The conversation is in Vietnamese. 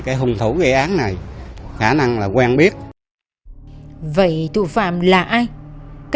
các trình sát đã lập tức